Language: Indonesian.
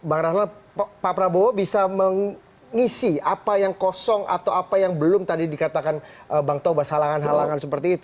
bang rahna pak prabowo bisa mengisi apa yang kosong atau apa yang belum tadi dikatakan bang tobas halangan halangan seperti itu